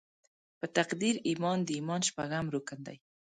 په تقدیر ایمان د ایمان شپږم رکن دې.